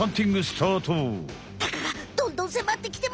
タカがどんどんせまってきてますよ！